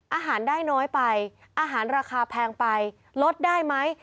อาหารได้น้อยไปอาหารราคาแพงไปลดได้ไหม